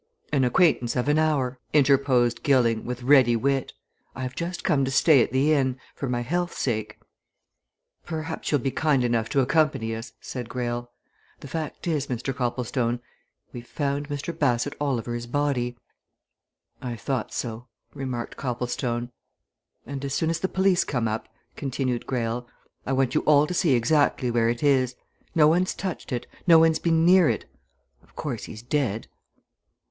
"An acquaintance of an hour," interposed Gilling, with ready wit. "I have just come to stay at the inn for my health's sake." "Perhaps you'll be kind enough to accompany us?" said Greyle. "The fact is, Mr. Copplestone, we've found Mr. Bassett Oliver's body." "I thought so," remarked Copplestone. "And as soon as the police come up," continued Greyle, "I want you all to see exactly where it is. No one's touched it no one's been near it. Of course, he's dead!"